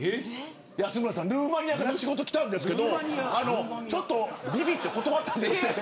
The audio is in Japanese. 安村さん、ルーマニアから仕事が来たんですけどびびって断ったんですって。